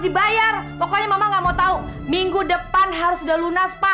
dibayar pokoknya mama gak mau tahu minggu depan harus sudah lunas pak